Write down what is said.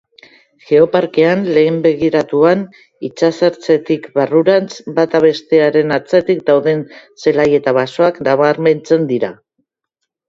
Geoparkean lehen begiratuan, itsasertzetik barrurantz, bata bestearen atzetik dauden zelai eta basoak nabarmentzen dira.